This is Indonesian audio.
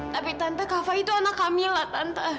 tapi tante kak fadil itu anak kamila tante